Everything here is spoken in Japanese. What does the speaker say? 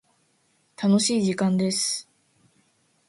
楽しい時間です。